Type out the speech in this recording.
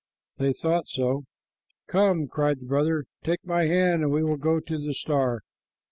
They thought so. "Come," cried the brother, "take my hand, and we will go to the star."